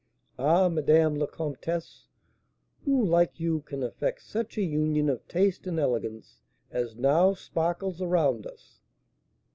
Ah, Madame la Comtesse, who like you can effect such a union of taste and elegance as now sparkles around us?"